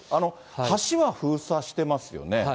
橋は封鎖してますよね。